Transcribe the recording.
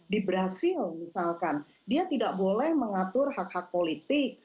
di brazil misalkan dia tidak boleh mengatur hak hak politik